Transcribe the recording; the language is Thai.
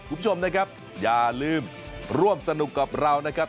คุณผู้ชมนะครับอย่าลืมร่วมสนุกกับเรานะครับ